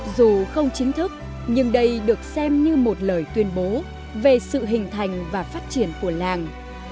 dù không chính thức nhưng đây được xem như một lời tuyên bố về sự hình thành và phát triển của làng